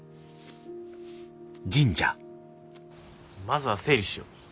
まずは整理しよう。